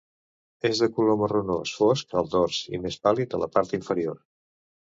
És de color marronós fosc al dors i més pàl·lid a la part inferior.